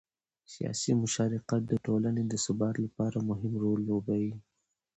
سیاسي مشارکت د ټولنې د ثبات لپاره مهم رول لوبوي